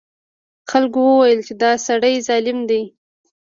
خلکو وویل چې دا سړی ظالم دی.